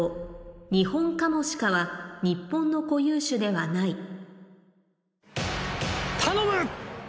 「ニホンカモシカは日本の固有種ではない」頼む！